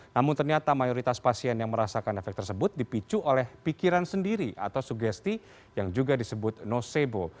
namun ternyata mayoritas pasien yang merasakan efek tersebut dipicu oleh pikiran sendiri atau sugesti yang juga disebut nocebo